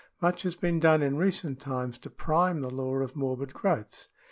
Much has been done in recent times to prune the law of morbid growths.